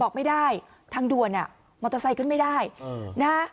ออกไม่ได้ทางด่วนอ่ะมอเตอร์ไซค์ขึ้นไม่ได้นะฮะ